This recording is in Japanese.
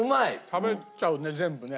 食べちゃうね全部ね。